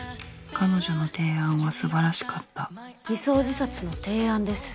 彼女の提案は素晴らしかった偽装自殺の提案です。